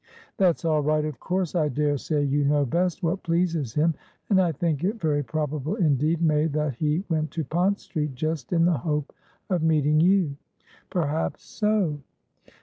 "That's all right, of course. I dare say you know best what pleases him. And I think it very probable indeed, May, that he went to Pont Street just in the hope of meeting you." "Perhaps so."